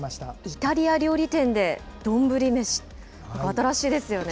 イタリア料理店で丼めし、新しいですよね。